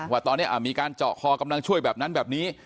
ว่าตอนนี้มีการเจาะคอกำลังช่วยแบบนั้นแบบนี้